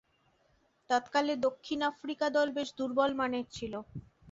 তৎকালে দক্ষিণ আফ্রিকা দল বেশ দূর্বলমানের ছিল।